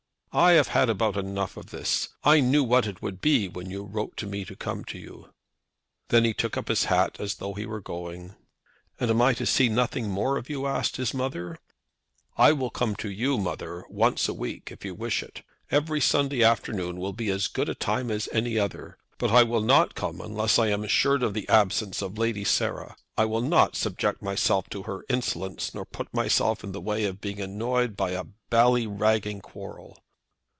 "I have had about enough of this. I knew what it would be when you wrote to me to come to you." Then he took up his hat, as though he were going. "And am I to see nothing more of you?" asked his mother. "I will come to you, mother, once a week if you wish it. Every Sunday afternoon will be as good a time as any other. But I will not come unless I am assured of the absence of Lady Sarah. I will not subject myself to her insolence, nor put myself in the way of being annoyed by a ballyragging quarrel."